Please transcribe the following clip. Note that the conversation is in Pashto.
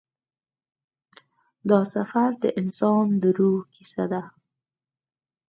دا سفر د انسان د روح کیسه ده.